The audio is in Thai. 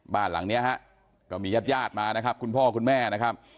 บ้านหลังนี้ฮะก็มีญาติญาติมานะครับคุณพ่อคุณแม่นะครับ